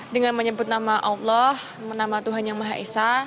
dengan menyebut nama allah nama tuhan yang maha esa